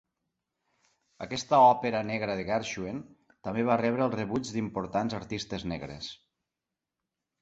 Aquesta òpera negra de Gershwin també va rebre el rebuig d'importants artistes negres.